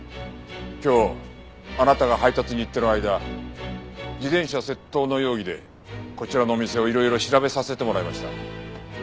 今日あなたが配達に行ってる間自転車窃盗の容疑でこちらの店をいろいろ調べさせてもらいました。